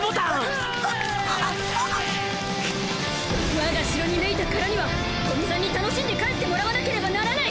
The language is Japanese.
我が城に招いたからには古見さんに楽しんで帰ってもらわなければならない！